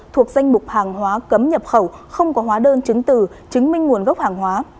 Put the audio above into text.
thuộc danh mục hàng hóa cấm nhập khẩu không có hóa đơn chứng từ chứng minh nguồn gốc hàng hóa